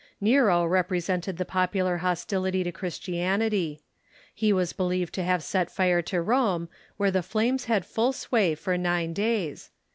Nero represented the popular hostility to Christianity. He was believed to have set fire to Rome, where the flames had full sway for nine days.